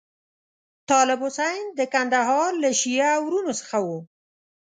طالب حسین د کندهار له شیعه وروڼو څخه وو.